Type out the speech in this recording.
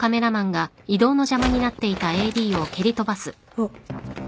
あっ。